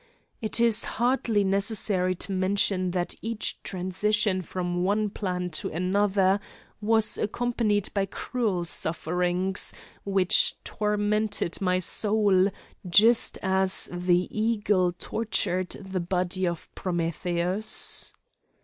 It is hardly necessary to mention that each transition from one plan to another was accompanied by cruel sufferings, which tormented my soul, just as the eagle tortured the body of Prometheus.